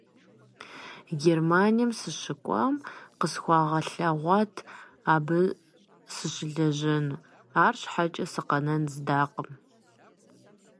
Германием сыщыкӀуам къысхуагъэлъэгъуат абы сыщылэжьэну, арщхьэкӀэ сыкъэнэн здакъым.